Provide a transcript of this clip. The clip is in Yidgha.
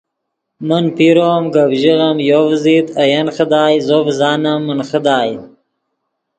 من پیرو ام گپ ژیغیم یو ڤزیت اے ین خدائے زو ڤزانیم من خدائے